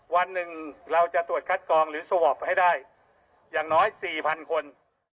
วันหนึ่งเราจะตรวจคัดกรองหรือสวอปให้ได้อย่างน้อย๔๐๐คน